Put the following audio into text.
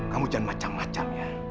kamu jangan macam macam ya